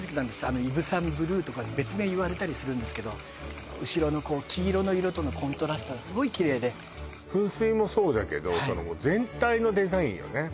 あのイヴ・サンブルーとか別名いわれたりするんですけど後ろのこう黄色の色とのコントラストがすごいキレイで噴水もそうだけど全体のデザインよね